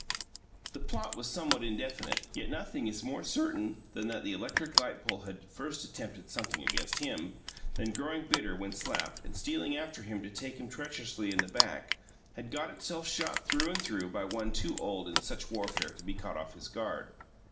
The plot was somewhat indefinite; yet nothing is more certain than that the electric light pole had first attempted something against him, then growing bitter when slapped, and stealing after him to take him treacherously in the back, had got itself shot through and through by one too old in such warfare to be caught off his guard.